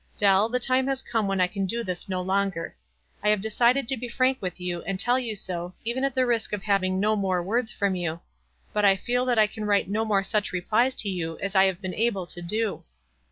Dell, the time has come when I can do this no longer. I have decided to be frank with you, and tell you so, even at the risk of having no more words from you. But I feel that I can write no more such replies to you as I have been able to do."